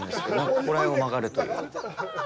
ここら辺を曲がるという。